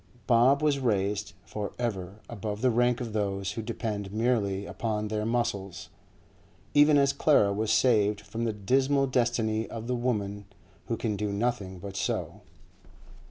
Bob was raised for ever above the rank of those who depend merely upon their muscles, even as Clara was saved from the dismal destiny of the women who can do nothing but sew.